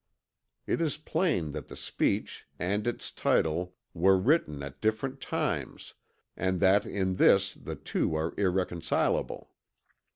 It is plain that the speech and its title were written at different times and that in this the two are irreconcilable.